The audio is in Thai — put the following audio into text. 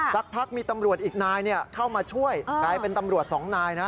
สักพักมีตำรวจอีกนายเข้ามาช่วยกลายเป็นตำรวจสองนายนะ